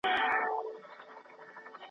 لوږي ځپلي یخني یې وژني .